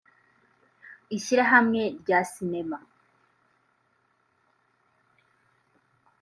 ishyirahamwe rya Sinema